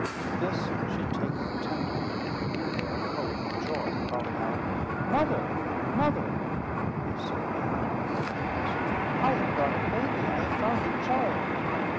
This she taketh tenderly, and beareth home with joy, calling out, "Mother, mother"—if so be that her mother lives—"I have got a baby—I have found a child!"